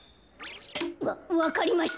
わわかりまし